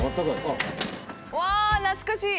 うわ懐かしい！